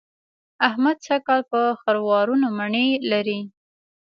احمد سږ کال په خروارونو مڼې لرلې.